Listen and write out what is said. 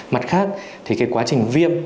mặt khác quá trình viêm